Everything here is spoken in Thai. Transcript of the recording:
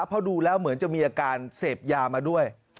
เพราะดูแล้วเหมือนจะมีอาการเสพยามาด้วย